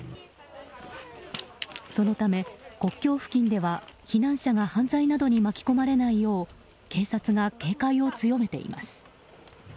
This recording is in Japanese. そのため、国境付近では避難者が犯罪などに巻き込まれないよう警察が警戒を強めています。